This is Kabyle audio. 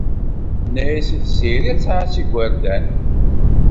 Tenna-as i Tiziri ad tɛass igerdan.